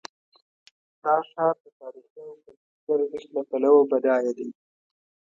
دا ښار د تاریخي او کلتوري ارزښت له پلوه بډایه دی.